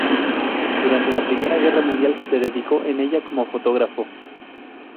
Durante la primera guerra mundial se dedicó en ella como fotógrafo.